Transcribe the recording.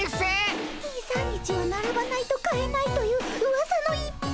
２３日はならばないと買えないといううわさの逸品。